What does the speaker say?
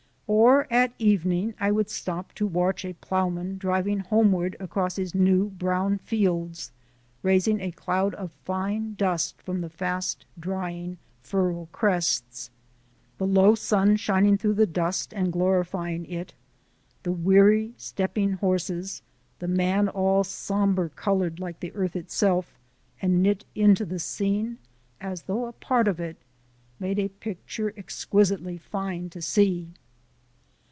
Or at evening I would stop to watch a ploughman driving homeward across his new brown fields, raising a cloud of fine dust from the fast drying furrow crests. The low sun shining through the dust and glorifying it, the weary stepping horses, the man all sombre coloured like the earth itself and knit into the scene as though a part of it, made a picture exquisitely fine to see.